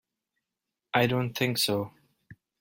I don't think so.